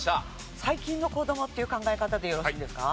最近の子どもっていう考え方でよろしいんですか？